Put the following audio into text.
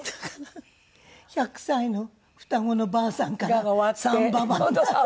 １００歳の双子のばあさんから『三婆』。